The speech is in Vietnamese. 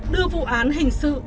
đưa vụ án hình sự